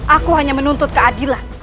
aku hanya menuntut keadilan